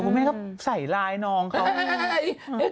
เออคุณแม่เขาใส่ลายน้องเขา